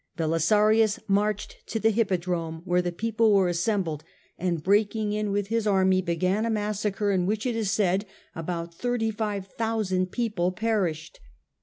Belisarius marched to the Hippodrome, where the people were assembled, and breaking in with his army began a massacre in which, it is said, about 35,000 people perished.